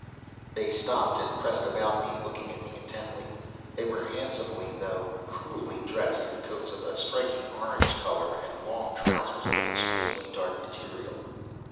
They stopped and pressed about me, looking at me intently. They were handsomely, though crudely dressed in coats of a striking orange color, and long trousers of an extremely dark material.